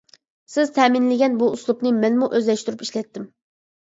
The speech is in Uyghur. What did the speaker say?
سىز تەمىنلىگەن بۇ ئۇسلۇبنى مەنمۇ ئۆزلەشتۈرۈپ ئىشلەتتىم.